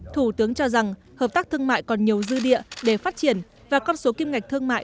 thủ tướng cho rằng hợp tác thương mại còn nhiều dư địa để phát triển và con số kim ngạch thương mại